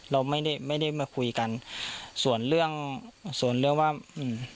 เราไม่ได้ไม่ได้มาคุยกันส่วนเรื่องส่วนเรื่องว่าอืม